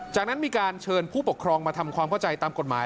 จากนั้นมีการเชิญผู้ปกครองมาทำความเข้าใจตามกฎหมาย